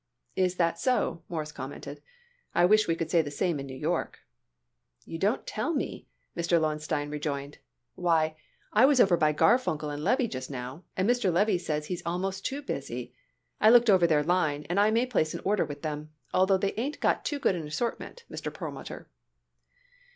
"Is that so?" Morris commented. "I wish we could say the same in New York." "You don't tell me!" Mr. Lowenstein rejoined. "Why, I was over by Garfunkel and Levy just now, and Mr. Levy says he is almost too busy. I looked over their line and I may place an order with them, although they ain't got too good an assortment, Mr. Perlmutter."